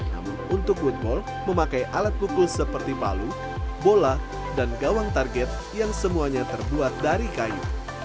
namun untuk woodball memakai alat pukul seperti palu bola dan gawang target yang semuanya terbuat dari kayu